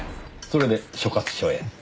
それで所轄署へ。